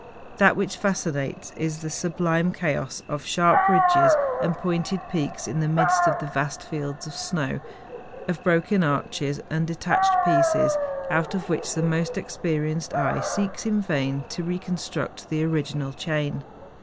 That which fascinates is the sublime chaos of sharp ridges and pointed peaks in the midst of the vast fields of snow, of broken arches and detached pieces, out of which the most experienced eye seeks in vain to reconstruct the original chain.